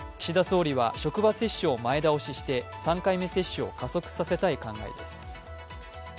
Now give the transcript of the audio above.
岸田総理は職場接種を前倒しして３回目接種を加速させたい考えです